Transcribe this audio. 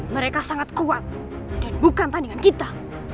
mereka sangat kuat dan bukan tandingan kita